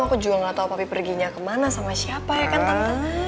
aku juga gak tau papi perginya kemana sama siapa ya kan teman